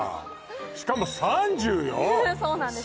しかも３０よそうなんです